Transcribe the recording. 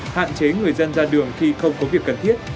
hạn chế người dân ra đường khi không có việc cần thiết